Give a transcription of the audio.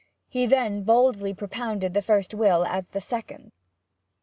He then boldly propounded the first will as the second.